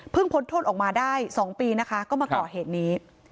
พ้นโทษออกมาได้๒ปีนะคะก็มาก่อเหตุนี้